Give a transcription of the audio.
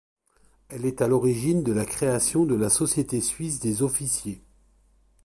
Elle est à l’origine de la création de la Société suisse des officiers.